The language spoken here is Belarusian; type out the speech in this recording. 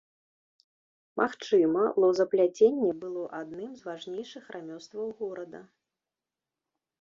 Магчыма, лозапляценне было адным з важнейшых рамёстваў горада.